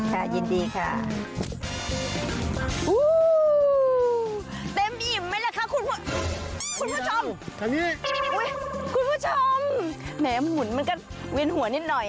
ค่ะยินดีค่ะ